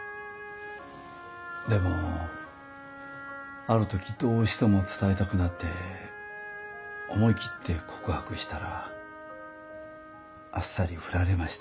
でもある時どうしても伝えたくなって思い切って告白したらあっさりフラれました。